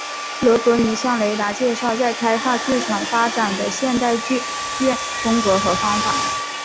罗格尼向雷达介绍在开放剧院发展的现代剧院风格和方法。